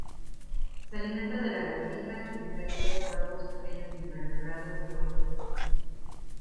Se alimenta de lagartijas, insectos, huevos, pequeños invertebrados y hojas.